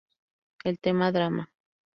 El tema Drama!